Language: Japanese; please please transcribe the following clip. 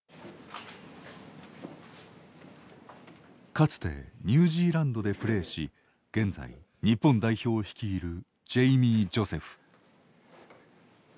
かつてニュージーランドでプレーし現在、日本代表を率いるジェイミー・ジョセフ。